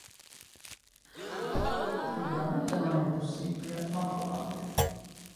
Sicuramente non è impossibile, ma probabile.